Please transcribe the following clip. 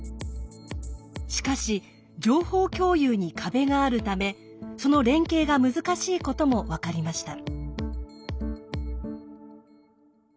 しかし情報共有に壁があるためその連携が難しいことも分かりました。